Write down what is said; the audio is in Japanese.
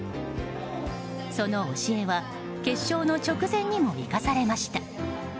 その教えは決勝の直前にも生かされました。